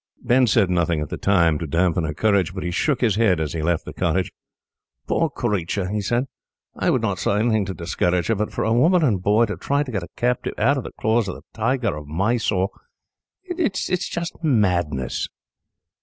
Ben said nothing, at the time, to damp her courage; but he shook his head, as he left the cottage. "Poor creature," he said. "I would not say anything to discourage her, but for a woman and boy to try to get a captive out of the claws of the Tiger of Mysore is just madness."